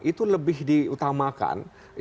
itu lebih diutamakan